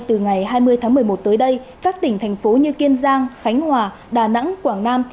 từ ngày hai mươi tháng một mươi một tới đây các tỉnh thành phố như kiên giang khánh hòa đà nẵng quảng nam